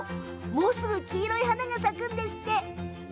もうすぐ黄色い花が咲くんだそうです。